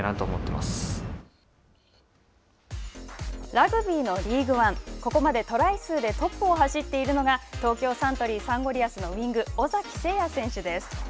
ラグビーのリーグワン、ここまでトライ数でトップを走っているのが東京サントリーサンゴリアスの尾崎晟也選手です。